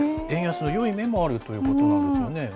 円安のよい面もあるということなんですね。